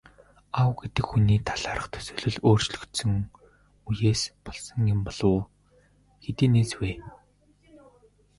Аав гэдэг хүний талаарх төсөөлөл өөрчлөгдсөн үеэс болсон юм болов уу, хэдийнээс вэ?